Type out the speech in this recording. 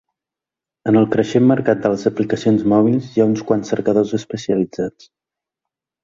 En el creixent mercat de les aplicacions mòbils hi ha uns quants cercadors especialitzats.